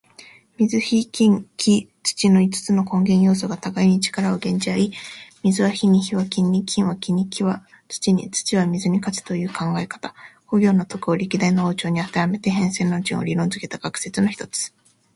水・火・金・木・土の五つの根元要素が互いに力を減じ合い、水は火に、火は金に、金は木に、木は土に、土は水に勝つという考え方。五行の徳を歴代の王朝にあてはめて変遷の順を理論づけた学説の一つ。